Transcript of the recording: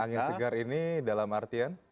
angin segar ini dalam artian